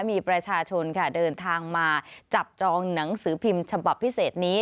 มีประชาชนค่ะเดินทางมาจับจองหนังสือพิมพ์ฉบับพิเศษนี้